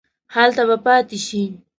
هلته به پاتې شې.